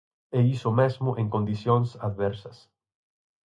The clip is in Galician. E iso mesmo en condicións adversas.